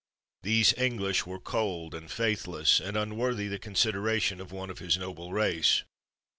These English were cold and faithless, and unworthy the consideration of one of his noble race.